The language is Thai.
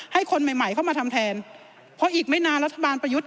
คนใหม่ใหม่เข้ามาทำแทนเพราะอีกไม่นานรัฐบาลประยุทธ์